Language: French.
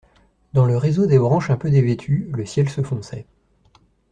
Dans le réseau des branches un peu dévêtues, le ciel se fonçait.